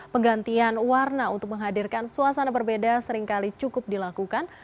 penggantian warna untuk menghadirkan suasana berbeda seringkali cukup dilakukan